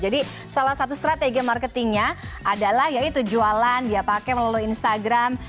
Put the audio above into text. jadi salah satu strategi marketingnya adalah ya itu jualan dia pakai melalui instagram